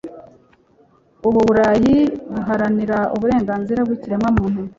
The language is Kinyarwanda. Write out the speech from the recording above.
u burayi buharanira uburenganzira bw ikiremwamuntu